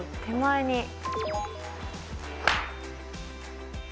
手前に。